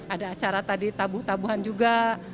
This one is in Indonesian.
ada acara tadi tabuh tabuhan juga